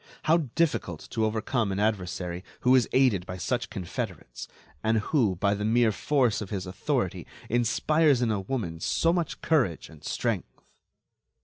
How difficult to overcome an adversary who is aided by such confederates, and who, by the mere force of his authority, inspires in a woman so much courage and strength!